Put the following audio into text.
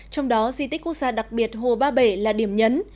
trong đó di tích quốc gia đặc biệt hồ ba bể là điểm nhấn